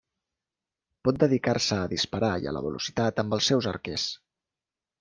Pot dedicar-se a disparar i a la velocitat amb els seus arquers.